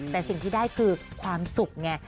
แต่สิ่งที่ได้คือความสุขแบบว่า